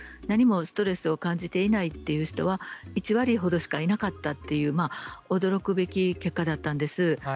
何もストレスを感じていないという人は、１割ほどしかいなかったという驚くべき結果だったんです。